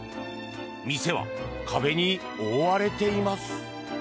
お店は壁に覆われています。